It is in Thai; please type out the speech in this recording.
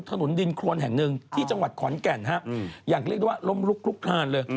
ที่จังหวัดขวานแก่นอย่างเรียกด้วยว่าล้มลุกลุกทานเลย